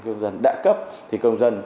công dân đã cấp thì công dân